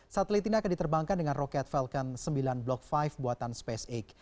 satelit ini akan diterbangkan dengan roket falcon sembilan block lima buatan space delapan